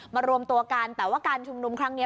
รวมตัวกันแต่ว่าการชุมนุมครั้งนี้